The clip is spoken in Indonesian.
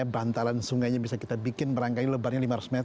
bantalan sungainya bisa kita bikin merangkali lebarnya lima ratus meter tidak masalah